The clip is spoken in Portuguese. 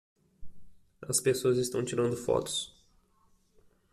As pessoas estão tirando fotos